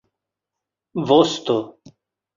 vosto